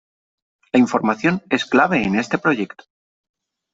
La información es clave en este proyecto.